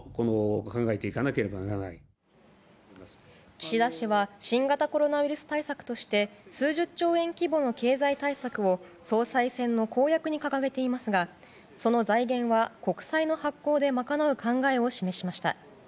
岸田氏は新型コロナウイルス対策として数十兆円規模の経済対策を総裁選の公約に掲げていますがその財源は、国債の発行で賄う考えを示しました。